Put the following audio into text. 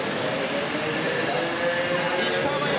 石川真佑